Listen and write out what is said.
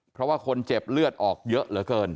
เพราะว่าคนเจ็บเลือดออกเยอะเหลือเกิน